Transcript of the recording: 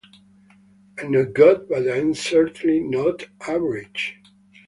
I'm not God, but I'm certainly not average.